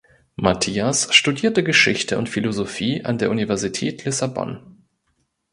Mathias studierte Geschichte und Philosophie an der Universität Lissabon.